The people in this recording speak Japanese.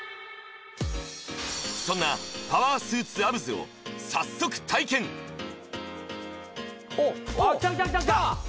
そんなパワースーツアブズを早速体験おっきたきたきたきたきた！